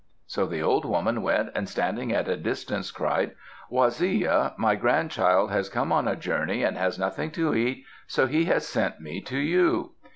'" So the old woman went and standing at a distance, cried, "Waziya, my grandchild has come on a journey and has nothing to eat; so he has sent me to you."